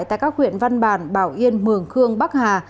tại các huyện văn bản bảo yên mường khương bắc hà